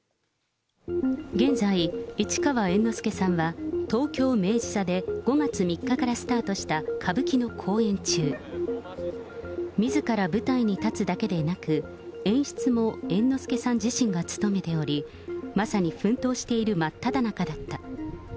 現在、市川猿之助さんは、東京明治座で５月３日からスタートした歌舞伎の公演中。みずから舞台に立つだけでなく、演出も猿之助さん自身が務めており、まさに奮闘している真っただ中だった。